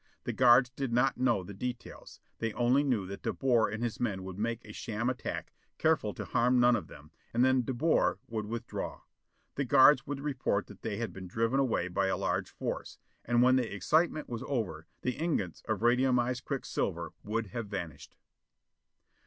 The guards did not know the details: they only knew that De Boer and his men would make a sham attack, careful to harm none of them and then De Boer would withdraw. The guards would report that they had been driven away by a large force. And when the excitement was over, the ingots of radiumized quicksilver would have vanished!